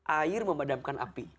sudah akhir memadamkan api